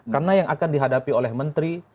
karena yang akan dihadapi oleh menteri